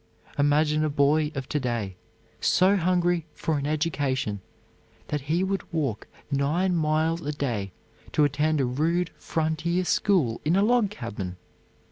Imagine a boy of to day, so hungry for an education that he would walk nine miles a day to attend a rude frontier school in a log cabin!